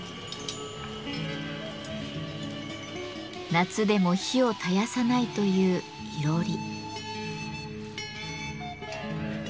夏でも火を絶やさないといういろり。